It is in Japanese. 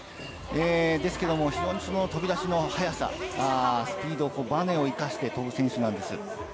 ですけれど飛び出しの速さ、スピード、バネを生かして飛ぶ選手なんです。